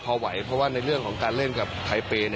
พอไหวเพราะว่าในเรื่องของการเล่นกับไทเปย์